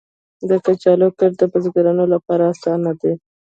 د کچالو کښت د بزګرانو لپاره اسانه دی.